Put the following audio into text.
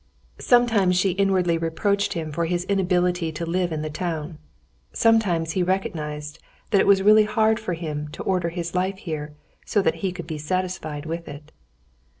Sometimes she inwardly reproached him for his inability to live in the town; sometimes she recognized that it was really hard for him to order his life here so that he could be satisfied with it.